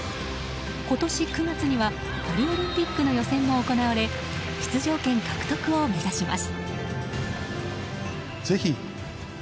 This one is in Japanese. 今年９月にはパリオリンピックの予選も行われ出場権獲得を目指します。